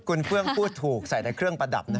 คุณเฟื่องพูดถูกใส่แต่เครื่องประดับนะ